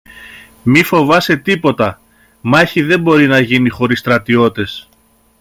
Μη φοβάσαι τίποτα, μάχη δεν μπορεί να γίνει χωρίς στρατιώτες